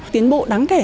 tiến bộ đáng kể